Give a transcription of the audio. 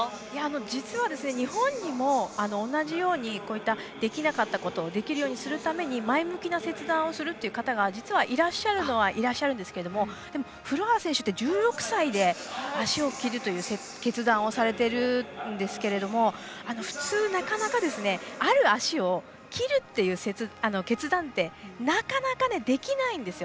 実は日本にも同じようにできなかったことをできるようにするために前向きな切断をするっていう方が実はいらっしゃるのはいらっしゃるんですけどフロアス選手って１６歳で足を切るって決断をされているんですが普通、なかなかある足を切るっていう決断ってなかなかできないんですよ。